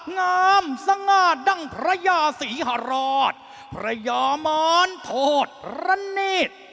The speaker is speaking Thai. งามสง่าดั้งพระยาศรีฮราชพระยอมรโทษระเนธ